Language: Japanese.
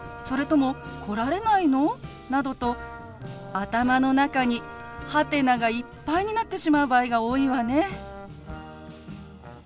それとも来られないの？」などと頭の中にハテナがいっぱいになってしまう場合が多いわね。